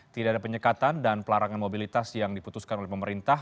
tidak ada penyekatan dan pelarangan mobilitas yang diputuskan oleh pemerintah